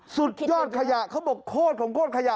สุดยอดขยะเขาบอกโคตรของโคตรขยะ